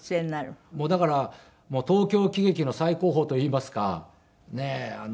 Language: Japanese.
だからもう東京喜劇の最高峰といいますかねえ。